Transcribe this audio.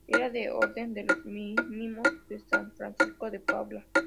Era de la Orden de los Mínimos de San Francisco de Paula.